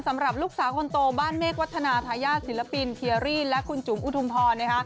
สำหรับลูกสาวคนโตบ้านเมฆวัฒนาทายาทศิลปินเคียรี่และคุณจุ๋มอุทุมพร